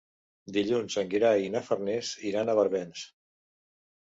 Dilluns en Gerai i na Farners iran a Barbens.